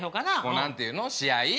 何て言うの試合？